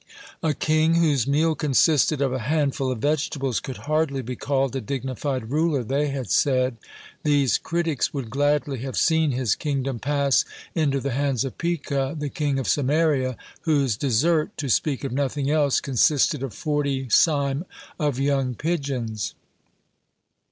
A king whose meal consisted of a handful of vegetables could hardly be called a dignified ruler, they had said. These critics would gladly have seen his kingdom pass into the hands of Pekah, the king of Samaria, whose dessert, to speak of nothing else, consisted of forty seim of young pigeons.